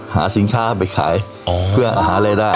หาสินค้าไปขายเพื่อหารายได้